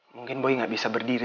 mungkin boy nggak bisa berdiri